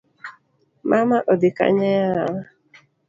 Mama odhi Kanye yawa?